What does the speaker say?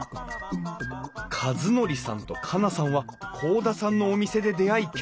和憲さんと佳奈さんは甲田さんのお店で出会い結婚。